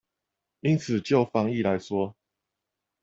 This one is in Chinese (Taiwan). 因此就防疫來說